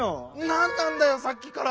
なんなんだよさっきから！